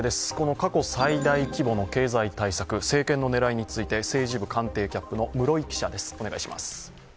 過去最大規模の経済対策、政権の狙いについて政治部官邸キャップの室井記者です。